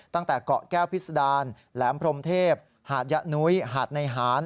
ตั้งแต่เกาะแก้วพิษดารแหลมพรมเทพหาดยะนุ้ยหาดในหาน